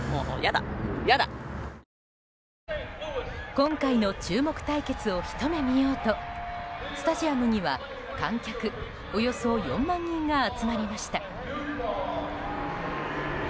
今回の注目対決をひと目見ようとスタジアムには観客およそ４万人が集まりました。